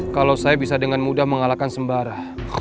kalau saya bisa dengan mudah mengalahkan sembara